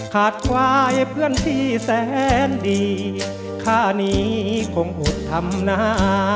ขาดควายเพื่อนพี่แสนดีข้านี้คงอุดทำหน้า